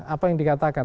apa yang dikatakan